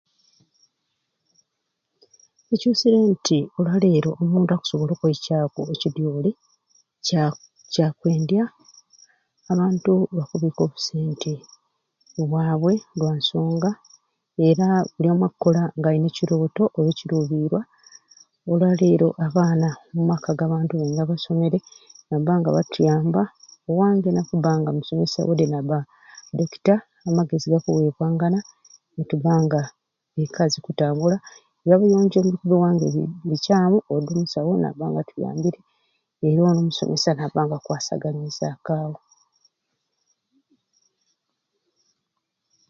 Bikyusire nti olwaleero omuntu akusobola okweikyaku ekidyoli Kya kyakwendya abantu bakubiika obusente obwabwe olwansonga era buli omwe akukola nga alina ekirooto oba ekiruubiirwa olwaleero abaana mu maka g'abantu baingi abasomere nibabba nga batuyamba owange nakubba nga musomeserye nabba dokita amagezi gakuwebwangana nitubba nga eka zikutambula ebyabuyonjo nibabba ewange nga bukyamu odi omusawu nabba nga atuyambire owamwe amusomesya nabba nga akukwasaganyizaku awo.